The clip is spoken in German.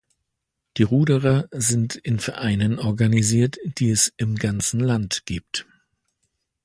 Die Ruderer sind in Vereinen organisiert, die es im ganzen Land gibt.